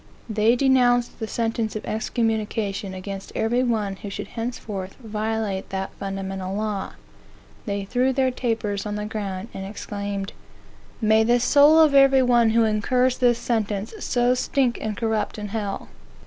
They denounced the sentence of excommunication against every one who should thenceforth violate that fundamental law. They threw their tapers on the ground, and exclaimed, May the soul of every one who incurs this sentence so stink and corrupt in hell!